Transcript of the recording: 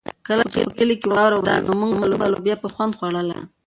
کله چې په کلي کې واوره ورېده نو موږ به لوبیا په خوند خوړله.